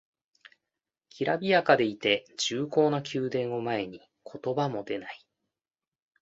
きらびやかでいて重厚な宮殿を前に言葉も出ない